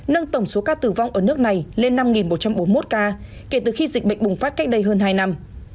nâng tổng số ca tử vong ở nước này lên năm một trăm bốn mươi một ca kể từ khi dịch bệnh bùng phát cách đây hơn hai năm